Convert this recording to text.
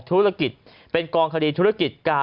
มูลค่าความเสี่ยหายรวมกว่า